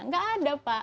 nggak ada pak